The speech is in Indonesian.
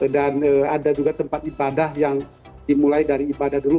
dan ada juga tempat ibadah yang dimulai dari ibadah dulu